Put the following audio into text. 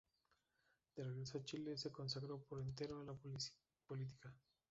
De regresó a Chile, se consagró por entero a la política.